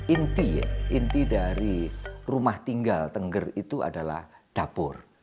inti dari rumah tinggal tengger itu adalah dapur